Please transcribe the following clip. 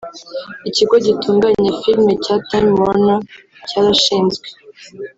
Ikigo gitunganya filime cya Time Warner cyarashinzwe